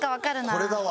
これだわ。